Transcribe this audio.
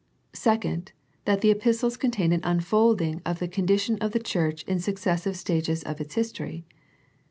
Second, that the epistles contain an unfolding of the condition of the Church in successive stages of its history.